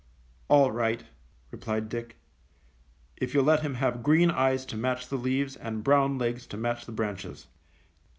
"All right," replied Dick, "if you'll let him have green eyes to match the leaves and brown legs to match the branches."